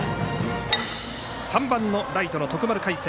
３番のライトの徳丸快晴。